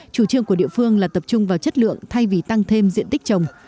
chủ trương của địa phương là tập trung vào chất lượng thay vì tăng thêm diện tích trồng